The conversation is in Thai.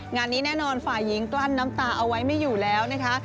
งานนี้แน่นอนฝ่ายหญิงกลั้นน้ำตาเอาไว้ไม่อยู่แล้วนะคะ